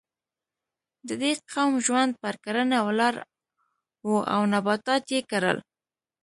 د دې قوم ژوند پر کرنه ولاړ و او نباتات یې کرل.